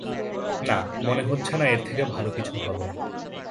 না, মনে হচ্ছে না এর থেকে ভালো কিছু হবে।